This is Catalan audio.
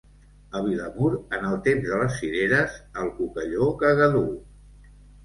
A Vilamur, en el temps de les cireres, el cuquello caga dur.